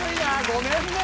ごめんね。